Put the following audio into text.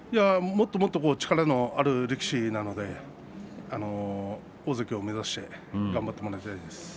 もっともっと力のある力士なので大関を目指して頑張ってもらいたいです。